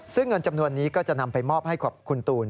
ซึ่งเงินจำนวนนี้ก็จะนำไปมอบให้กับคุณตูน